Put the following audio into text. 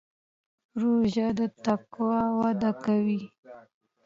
روژه د تقوا وده کوي.